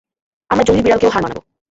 আমরা জংলি বিড়ালকেও হার মানাবো।